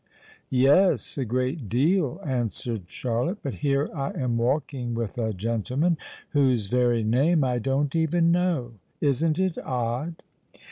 "Yes—a great deal," answered Charlotte. "But here I am walking with a gentleman whose very name I don't even know! Isn't it odd?"